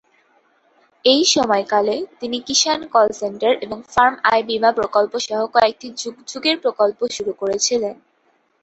এই সময়কালে তিনি কিষাণ কল সেন্টার এবং ফার্ম আয় বীমা প্রকল্প সহ কয়েকটি যুগ যুগের প্রকল্প শুরু করেছিলেন।